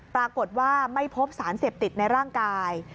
ปรากฏว่าไม่พบสารเสพติดในร่างกาย